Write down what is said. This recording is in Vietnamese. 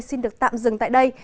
xin được tạm dừng tại đây